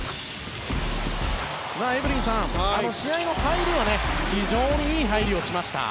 エブリンさん、試合の入りは非常にいい入りをしました。